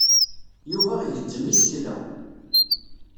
Yuba igezzem isekla.